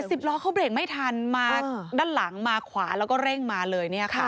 แต่สิบล้อเขาเบรกไม่ทันมาด้านหลังมาขวาแล้วก็เร่งมาเลย